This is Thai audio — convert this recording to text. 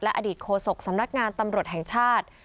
และอาริดโโฆษกสำนักงานตำรวจแห่งชาติ